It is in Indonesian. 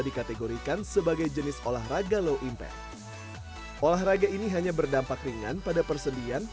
dikategorikan sebagai jenis olahraga low impact olahraga ini hanya berdampak ringan pada persediaan